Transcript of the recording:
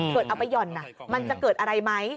เอาไปหย่อนมันจะเกิดอะไรไหม